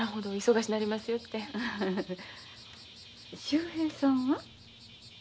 秀平さんは？